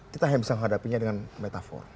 kita hanya bisa menghadapinya dengan metafor